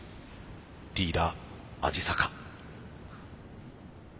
リーダー鯵坂。